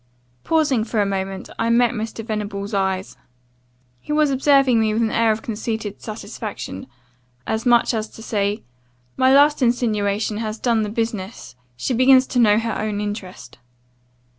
"Pausing for a moment, I met Mr. Venables' eyes. He was observing me with an air of conceited satisfaction, as much as to say 'My last insinuation has done the business she begins to know her own interest.